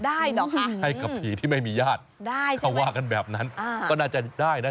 ได้หรอคะให้กับผีที่ไม่มีญาติเขาว่ากันแบบนั้นก็น่าจะได้นะ